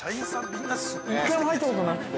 ◆一回も入ったことなくて。